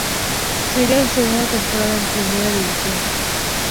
Seria su segunda temporada en Primera División.